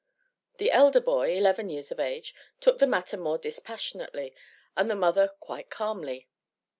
The elder boy, 11 years of age, took the matter more dispassionately, and the mother quite calmly.